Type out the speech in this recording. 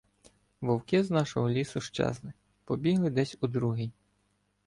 Вовки з нашого лісу щезли, побігли десь у другий.